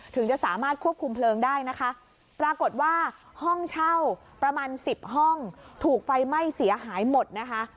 ถึงจะสามารถควบคุมเพลิงได้นะคะปรากฏว่าห้องเช่าประมาณสิบห้องถูกไฟไหม้เสียหายหมดนะคะ